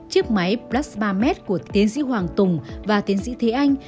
chiếc máy plasma med của tiến sĩ hoàng tùng và tiến sĩ thế anh